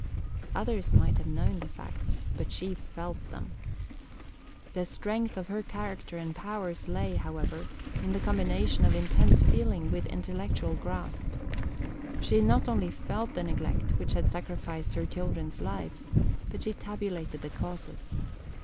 Others might know the facts, but she felt them. The strength of her character and powers lay, however, in the combination of intense feeling with intellectual grasp. She not only felt the neglect which had sacrificed her children's lives, but she tabulated the causes.